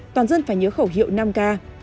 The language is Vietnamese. toàn dân phải nhớ khẩu hiệu năm k